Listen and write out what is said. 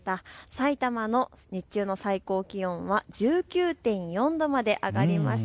埼玉の日中の最高気温は１９．４度まで上がりました。